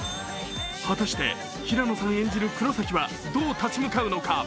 果たして、平野さん演じる黒崎はどう立ち向かうのか。